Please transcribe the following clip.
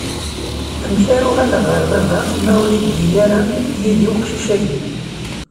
Amek ara uɣaleɣ ɣer baba, ma ur iddi ara yid-i uqcic-agi?